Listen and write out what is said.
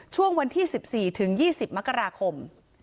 ช่วงวันที่๑๔ถึง๒๐มกราคม